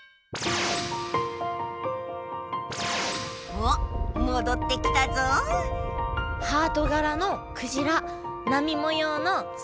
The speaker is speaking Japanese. おっもどってきたぞハートがらのクジラなみもようのサメ